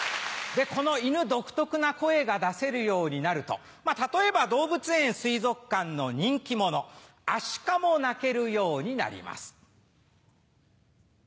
この犬独特な声が出せるようになると例えば動物園水族館の人気者アシカも鳴けるようになります。